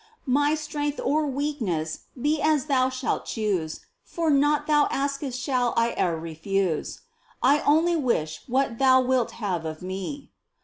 My strength or weakness be as Thou shalt choose. For naught Thou askest shall I e'er refuse, — I only wish what Thou wilt have of me.